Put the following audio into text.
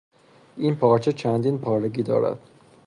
این پارچه چندین پارگی دارد.